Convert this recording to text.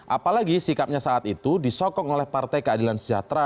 apalagi sikapnya saat itu disokong oleh partai keadilan sejahtera